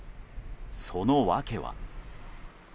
その訳は。